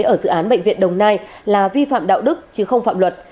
ở dự án bệnh viện đồng nai là vi phạm đạo đức chứ không phạm luật